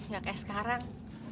gak kayak sekarang